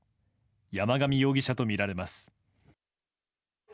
山上容疑者とみられます。